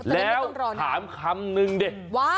แล้วถามคำนึงดิว่า